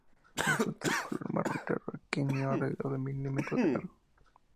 El fruto es de color marrón claro aquenio alrededor de un milímetro de largo.